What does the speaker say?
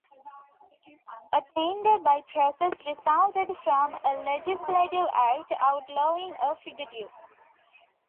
Attainder by process resulted from a legislative act outlawing a fugitive.